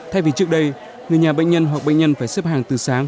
thay vì trước đây người nhà bệnh nhân hoặc bệnh nhân phải xếp hàng từ sáng